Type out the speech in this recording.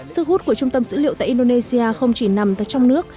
sức hút của trung tâm dữ liệu tại indonesia không chỉ nằm tại trong nước